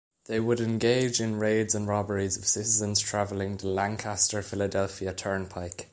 They would engage in raids and robberies of citizens traveling the Lancaster Philadelphia Turnpike.